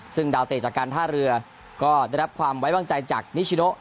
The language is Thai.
ซึ่งดาวเตะจากการท่าเรือก็ได้รับความไว้วางใจจากนิชิโน